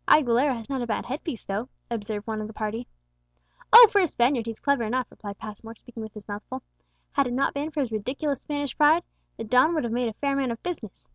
'" "Aguilera has not a bad headpiece, though," observed one of the party. "Oh, for a Spaniard he's clever enough," replied Passmore, speaking with his mouth full; "had it not been for his ridiculous Spanish pride, the don would have made a fair man of business.